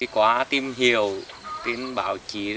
qua tìm hiểu tìm báo chí